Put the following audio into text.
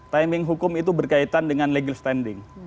timing hukum itu berkaitan dengan legal standing